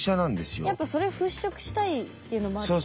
やっぱそれ払拭したいっていうのもあった？